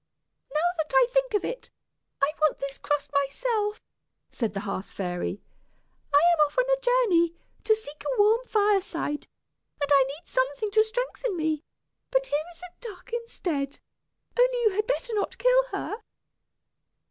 "Now that I think of it, I want this crust myself," said the hearth fairy. "I am off on a journey to seek a warm fireside, and I need something to strengthen me. But here is a duck instead, only you had better not kill her!"